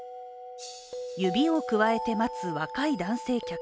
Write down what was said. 指をくわえて待つ若い男性客。